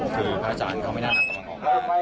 คือภาษาอันเขาไม่น่าหนักกำลังออกมา